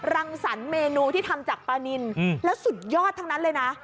รังสรรคเมนูที่ทำจากปลานินแล้วสุดยอดทั้งนั้นเลยนะ